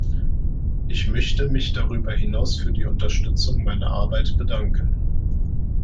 Ich möchte mich darüber hinaus für die Unterstützung meiner Arbeit bedanken.